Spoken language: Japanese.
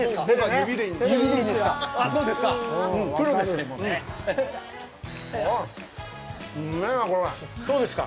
指でいいんですか？